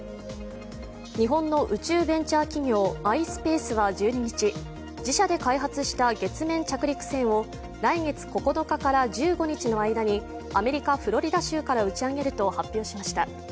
日本の宇宙ベンチャー企業ｉｓｐａｃｅは１２日、自社で開発した月面着陸船を来月９日から１５日の間にアメリカ・フロリダ州から打ち上げると発表しました。